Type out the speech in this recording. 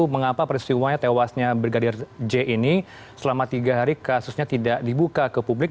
mengapa peristiwanya tewasnya brigadir j ini selama tiga hari kasusnya tidak dibuka ke publik